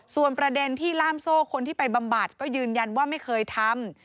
ส่วนประเด็นที่ล่ามโซ่คนที่ไปบำบัดก็ยืนยันว่าไม่เคยทำ